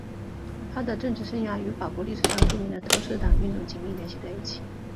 他的政治生涯与法国历史上著名的投石党运动紧密联系在一起。